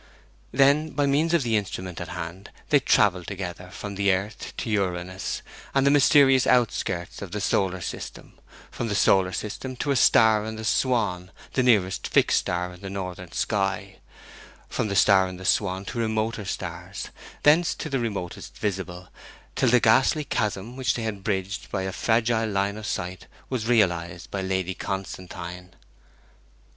Then, by means of the instrument at hand, they travelled together from the earth to Uranus and the mysterious outskirts of the solar system; from the solar system to a star in the Swan, the nearest fixed star in the northern sky; from the star in the Swan to remoter stars; thence to the remotest visible; till the ghastly chasm which they had bridged by a fragile line of sight was realized by Lady Constantine.